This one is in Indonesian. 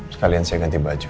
sekalian saya ganti baju